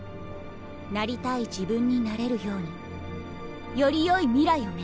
なりたい自分になれるようによりよい未来を目指して。